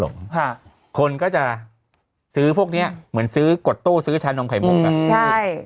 คนก็จะซื้อพวกเนี้ยเหมือนซื้อกดตู้ซื้อชานมไข่มุกอ่ะใช่